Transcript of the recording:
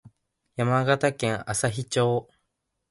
山形県朝日町